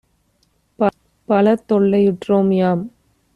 பலதொல் லையுற்றோம் - யாம்